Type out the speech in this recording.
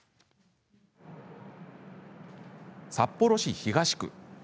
札幌市東区。